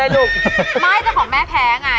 ลูกไม่แต่ของแม่แพ้ไง